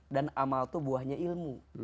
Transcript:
dan amal itu buahnya ilmu